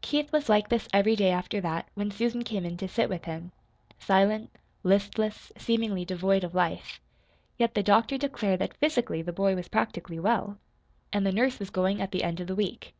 Keith was like this every day after that, when Susan came in to sit with him silent, listless, seemingly devoid of life. Yet the doctor declared that physically the boy was practically well. And the nurse was going at the end of the week.